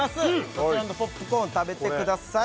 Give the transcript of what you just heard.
そちらのポップコーン食べてください